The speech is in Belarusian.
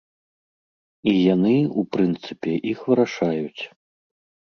І яны, у прынцыпе, іх вырашаюць.